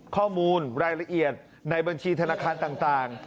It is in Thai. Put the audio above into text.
ข้อมูลรายละเอียดในบัญชีธนาคารต่าง